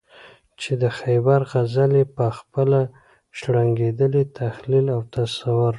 چې د خیبر غزل یې په خپل شرنګېدلي تخیل او تصور.